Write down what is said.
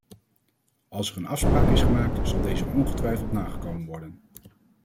Als er een afspraak is gemaakt, zal deze ongetwijfeld nagekomen worden.